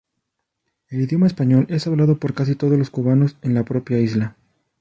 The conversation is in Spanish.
El idioma español es hablado por casi todos los cubanos en la propia isla.